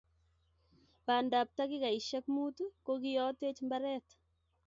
Bandap takikaisiek mut ko kiotech mbaret